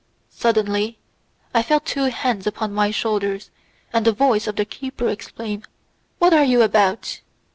Suddenly I feel two hands upon my shoulders, and the voice of the keeper exclaims, "What are you about?"